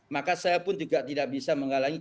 maka saya pun juga tidak bisa menghalangi